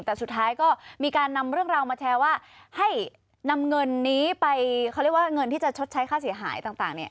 แต่สุดท้ายก็มีการนำเรื่องราวมาแชร์ว่าให้นำเงินนี้ไปเขาเรียกว่าเงินที่จะชดใช้ค่าเสียหายต่างเนี่ย